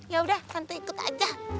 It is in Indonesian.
yaudah tante ikut aja